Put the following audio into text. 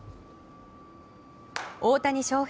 大谷翔平